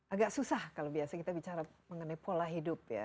agak susah kalau biasa kita bicara mengenai pola hidup ya